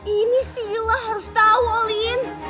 ini sih lah harus tau olin